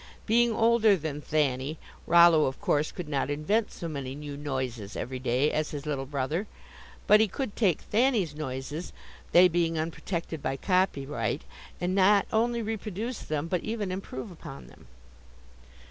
Being older than Thanny, Rollo, of course, could not invent so many new noises every day as his little brother. But he could take Thanny's noises, they being unprotected by copyright, and not only reproduce them, but even improve upon them.